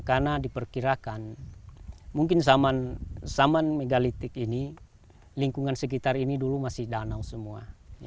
karena diperkirakan mungkin zaman megalith ini lingkungan sekitar ini dulu masih danau semua